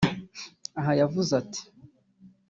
Aha yavuze ati